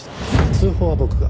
通報は僕が。